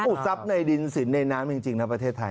ทรัพย์ในดินสินในน้ำจริงนะประเทศไทย